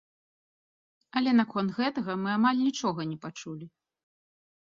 Але наконт гэтага мы амаль нічога не пачулі.